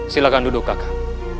silakan duduk kakak